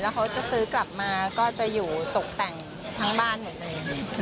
แล้วเขาจะซื้อกลับมาก็ตกแต่งทั้งบ้านหมดเลย